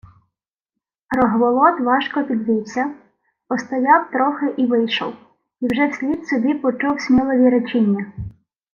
Рогволод важко підвівся, постояв трохи й вийшов, і вже вслід собі почув Смілові речіння: